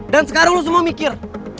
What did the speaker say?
dan sekarang lo semua mikir